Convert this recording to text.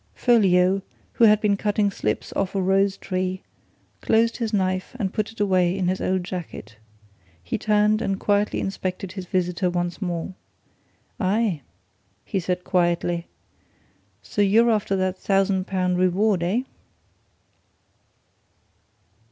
Folliot, who had been cutting slips off a rose tree, closed his knife and put it away in his old jacket. He turned and quietly inspected his visitor once more. "Aye!" he said quietly. "So you're after that thousand pound reward, eh?"